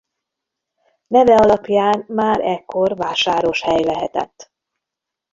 Neve alapján már ekkor vásáros hely lehetett.